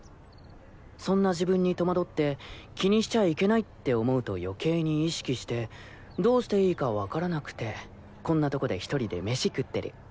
そんな自分に戸惑って気にしちゃいけないって思うと余計に意識してどうしていいかわからなくてこんなとこで１人で飯食ってる。